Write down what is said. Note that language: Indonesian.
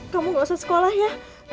kamu gak usah sekolah ya